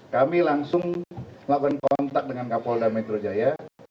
kami langsung melakukan kontak dengan kapolda metro jaya